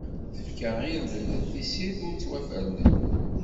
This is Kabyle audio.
Tefka irden ar tessirt, ur ttwafernen.